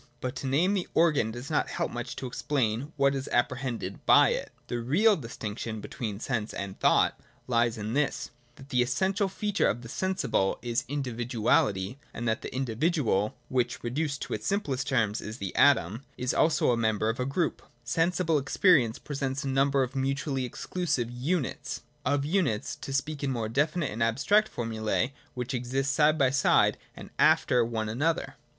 But to name the organ does not help much to explain what is apprehended by it. The real distinction between sense and thought lies in this — that the essen tial feature of the sensible is individuality, and as the individual (which, reduced to its simplest terms, is the atom) is also a member of a group, sensible existence presents a number • of mutually exclusive units, of units, to speak in more definite and abstract formulae, 20. j SENSE, CONCEPTION, THOUGHT. 37 which exist side by side with, and after, one another.